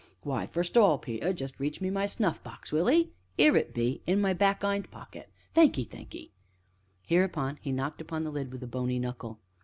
"Why, first of all, Peter, jest reach me my snuff box, will 'ee? 'ere it be in my back 'ind pocket thankee! thankee!" Hereupon he knocked upon the lid with a bony knuckle.